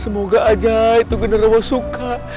semoga aja itu genarwo suka